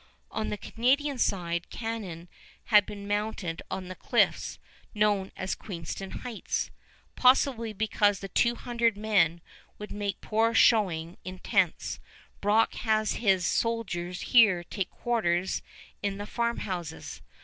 On the Canadian side cannon had been mounted on the cliffs known as Queenston Heights. Possibly because the two hundred men would make poor showing in tents, Brock has his soldiers here take quarters in the farmhouses.